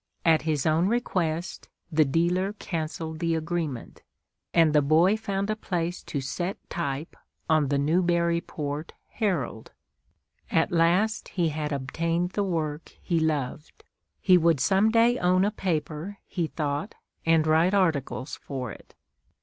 At his own request, the dealer cancelled the agreement, and the boy found a place to set type on the Newburyport "Herald." At last he had obtained the work he loved. He would some day own a paper, he thought, and write articles for it.